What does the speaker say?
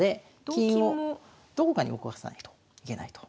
金をどこかに動かさないといけないと。